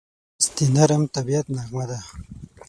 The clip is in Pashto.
ښایست د نرم طبیعت نغمه ده